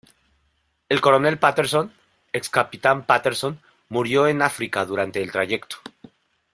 El Coronel Paterson, ex Capitán Paterson, murió en África durante el trayecto.